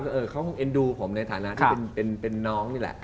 เออเขาคงเอ็นดูผมในฐานะที่เป็นน้องนี่แหละ